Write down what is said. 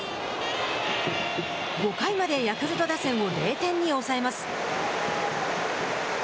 ５回までヤクルト打線を０点に抑えます。